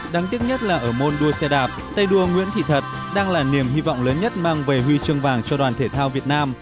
đáng tiếc nhất là ở môn đua xe đạp tay đua nguyễn thị thật đang là niềm hy vọng lớn nhất mang về huy chương vàng cho đoàn thể thao việt nam